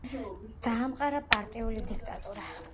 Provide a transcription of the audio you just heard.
დაამყარა პარტიული დიქტატურა.